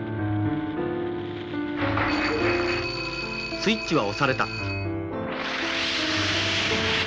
「スイッチは押された」。